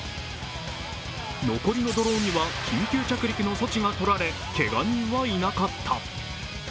残りのドローンには緊急着陸の措置が取られ、けが人はいなかった。